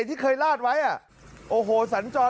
ที่เคยลาดไว้โอ้โหสัญจร